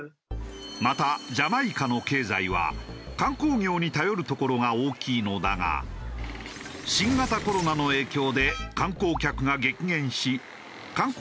またジャマイカの経済は観光業に頼るところが大きいのだが新型コロナの影響で観光客が激減し。